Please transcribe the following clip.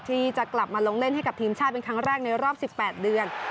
ที่จะกลับมาลงเล่นให้กับทีมชาติเป็นครั้งแรกในรอบ๑๘เดือน